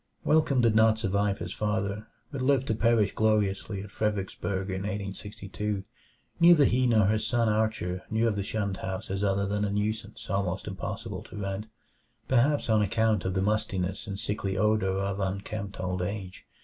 Welcome did not survive his father, but lived to perish gloriously at Fredericksburg in 1862. Neither he nor his son Archer knew of the shunned house as other than a nuisance almost impossible to rent perhaps on account of the mustiness and sickly odor of unkempt old age.